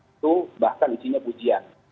itu bahkan isinya pujian